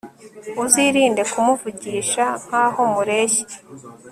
uzirinde kumuvugisha nk'aho mureshya